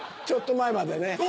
ちょっと前までね。